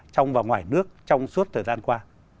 trong và ngoài nước trong suốt thời gian qua